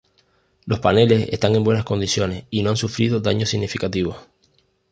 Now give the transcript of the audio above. Los paneles están en buenas condiciones y no han sufrido daños significativos.